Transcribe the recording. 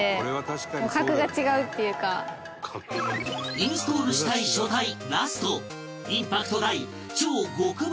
インストールしたい書体ラストインパクト大超極太文字フォント